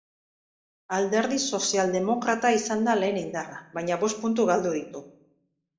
Alderdi sozialdemokrata izan da lehen indarra, baina bost puntu galdu ditu.